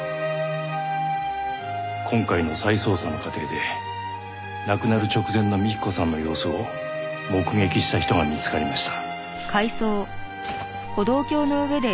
今回の再捜査の過程で亡くなる直前の幹子さんの様子を目撃した人が見つかりました。